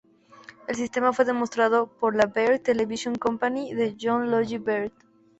El sistema fue demostrado por la Baird Television Company de John Logie Baird.